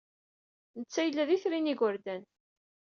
Netta yella d itri n yigerdan.